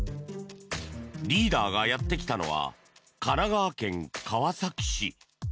リーダーがやってきたのは神奈川県川崎市。